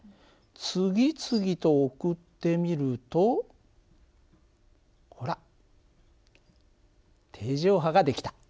次々と送ってみるとほら定常波が出来た。